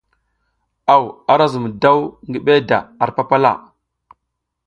Aw ara zum daw ngi beda ar papala.